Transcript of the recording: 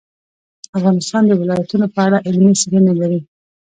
افغانستان د ولایتونو په اړه علمي څېړنې لري.